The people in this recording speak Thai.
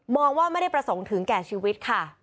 ว่าไม่ได้ประสงค์ถึงแก่ชีวิตค่ะ